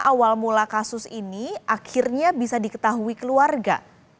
awal mula kasus ini akhirnya bisa diketahui keluarga